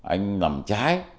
anh làm trái